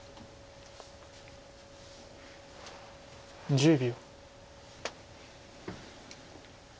１０秒。